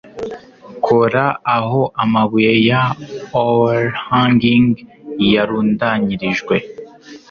Kora aho amabuye ya oerhanging yarundanyirijwe